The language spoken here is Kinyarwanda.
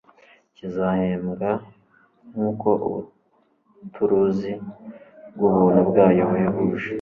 kizahembwa nk'uko "ubuturuzi bw'ubuntu bwayo buhebuje."